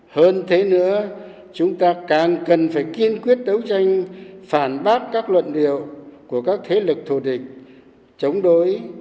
hơn thế nữa chúng ta càng cần phải kiên quyết đấu tranh phản bác các luận điệu của các thế lực thù địch chống đối